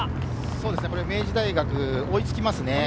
明治大学、追いつきますね。